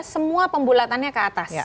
semua pembulatannya ke atas